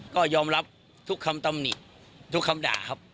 ก็ยอมรับทุกคำตำหนิทุกคำด่าครับ